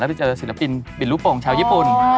ไปเจอศิลปินบินลูกโป่งชาวญี่ปุ่น